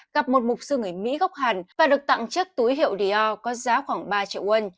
gặp một mục sư người mỹ gốc hàn và được tặng chất túi hiệu deo có giá khoảng ba triệu won